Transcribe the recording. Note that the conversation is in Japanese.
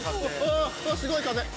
あすごい風！